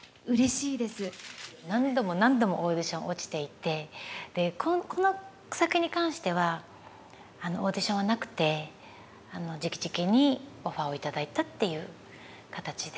何度も何度もオーディション落ちていてこの作品に関してはオーディションはなくてじきじきにオファーを頂いたっていう形で。